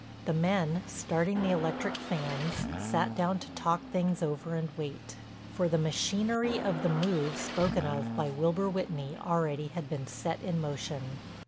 The men, starting the electric fans, sat down to talk things over and wait. For the machinery of "the move" spoken of by Wilbur Whitney already had been set in motion.